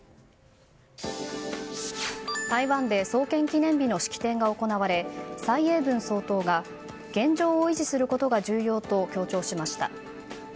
台湾で創建記念日の式典が行われ蔡英文総統が現状を維持することが重要と強調しました。